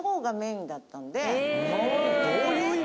どういう意味？